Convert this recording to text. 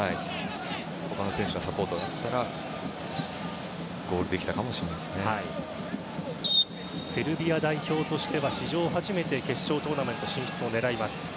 他の選手のサポートがあったらセルビア代表としては史上初めて決勝トーナメント進出を狙います。